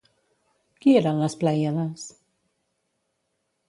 Qui eren les Plèiades?